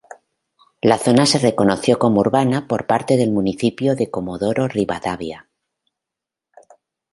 La zona se reconoció como urbana por parte del municipio de Comodoro Rivadavia.